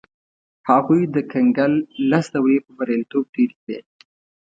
هغوی د کنګل لس دورې په بریالیتوب تېرې کړې.